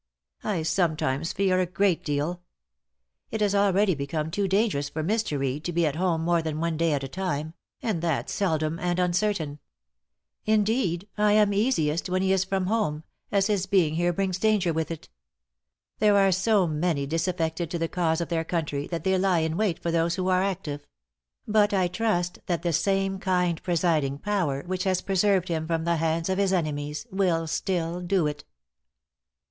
I sometimes fear a great deal. It has already become too dangerous for Mr. Reed to be at home more than one day at a time, and that seldom and uncertain. Indeed, I am easiest when he is from home, as his being here brings danger with it. There are so many disaffected to the cause of their country, that they lie in wait for those who are active; but I trust that the same kind presiding Power which has preserved him from the hands of his enemies, will still do it."